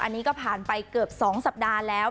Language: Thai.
อันนี้ก็ผ่านไปเกือบ๒สัปดาห์แล้ว